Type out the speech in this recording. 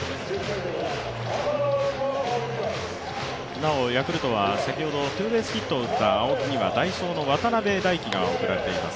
なおヤクルトは先ほどツーベースヒットを打った青木には代走の渡邉大樹が送られています。